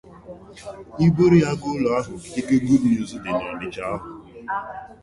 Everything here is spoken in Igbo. e bùrù ya gaa ụlọ ahụ ike Goodnews dị 'n'Ọnịtsha ahụ